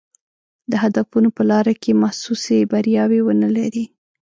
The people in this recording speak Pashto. د هدفونو په لاره کې محسوسې بریاوې ونه لري.